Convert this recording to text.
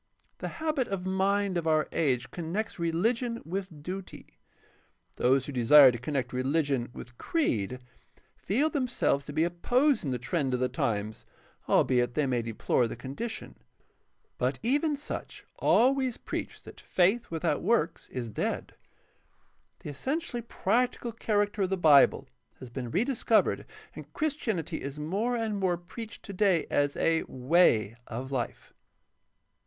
The habit of mind of our age connects religion with duty. Those who 588 GUIDE TO STUDY OF CHRISTIAN RELIGION desire to connect religion with creed feel themselves to be opposing the trend of the times, albeit they may deplore the condition. But even such always preach that faith without works is dead. The essentially practical character of the Bible has been rediscovered and Christianity is more and more preached today as a ''Way" of life.